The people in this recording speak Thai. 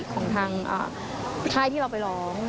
ของทางค่ายที่เราไปร้อง